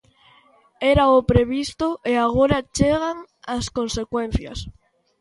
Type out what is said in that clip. Era o previsto e agora chegan as consecuencias.